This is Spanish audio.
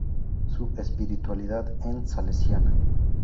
Su espiritualidad en salesiana.